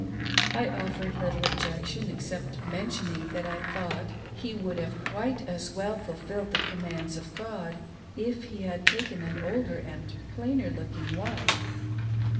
I offered little objection, except petitioning that I thought he would have quite as well fulfilled the commands of God if he had takeo an older and plainer looking wife.